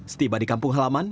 setiba di kampung halaman